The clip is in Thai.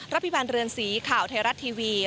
พิพันธ์เรือนสีข่าวไทยรัฐทีวี